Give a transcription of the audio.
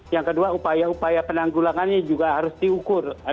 yang kedua upaya upaya penanggulangannya juga harus diukur